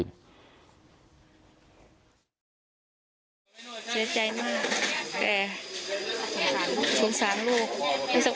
เสียใจมากแต่สงสารลูก